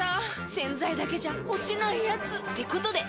⁉洗剤だけじゃ落ちないヤツってことで。